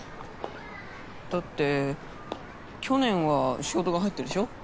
だって去年は仕事が入ったでしょ。